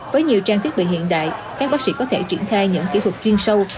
với nhiều trang thiết bị hiện đại các bác sĩ có thể triển khai những kỹ thuật chuyên sâu